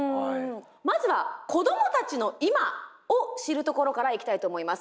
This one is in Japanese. まずは子どもたちの今を知るところからいきたいと思います。